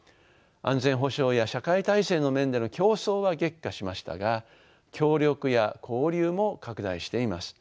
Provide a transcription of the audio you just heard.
安全保障や社会体制の面での競争は激化しましたが協力や交流も拡大しています。